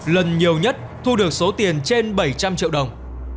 lần nhiều nhất thu được số tiền trên bảy trăm linh triệu đồng